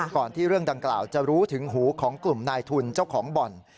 ก่อนที่เรื่องดังกล่าวจะรู้ถึงหูของกลุ่มนายทุนเจ้าของบ่อน